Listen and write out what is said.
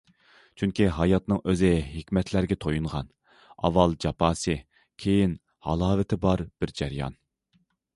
چۈنكى ھاياتنىڭ ئۆزى ھېكمەتلەرگە تويۇنغان، ئاۋۋال جاپاسى، كېيىن ھالاۋىتى بار بىر جەريان.